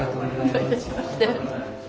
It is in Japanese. どういたしまして。